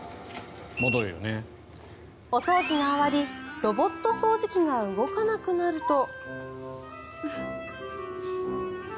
お掃除が終わりロボット掃除機が動かなくなると。